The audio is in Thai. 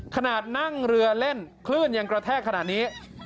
ขนาดนั่งเรือเล่นคลื่นยังกระแทกขนาดนี้